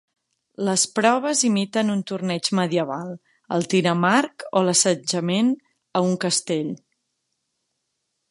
Les proves imiten un torneig medieval, el tir amb arc o l'assetjament a un castell.